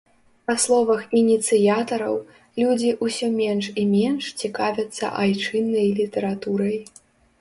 Па словах ініцыятараў, людзі ўсё менш і менш цікавяцца айчыннай літаратурай.